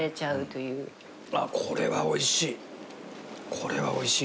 △これは美味しい。